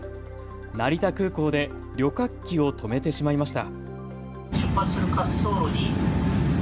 成田空港で旅客機を止めてしまいました。